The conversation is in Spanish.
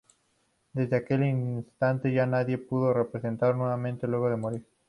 Desde aquel instante, ya nadie pudo despertar nuevamente luego de morir.